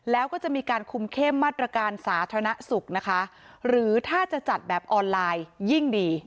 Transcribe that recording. แล้วก็จะมีการคุมเข้มมาตรการสาธารณสุขนะคะหรือถ้าจะจัดแบบออนไลน์ยิ่งดี